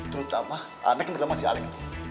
terutama anak yang ada sama si alek